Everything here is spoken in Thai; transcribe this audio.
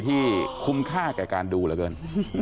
ที่คุ้มค่าแก่การดูเหลือเกิน